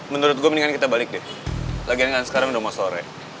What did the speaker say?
menurut gue mendingan kita balik deh lagian sekarang udah mau sore